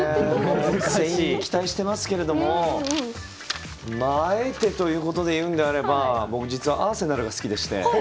全員期待してますけどあえてということで言うなら僕、実はアーセナルが好きで。